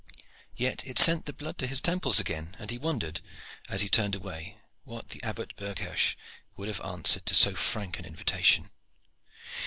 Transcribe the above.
Yet it sent the blood to his temples again, and he wondered, as he turned away, what the Abbot Berghersh would have answered to so frank an invitation.